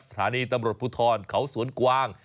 สถานีตำรวจภูทรเขาสวนกวาง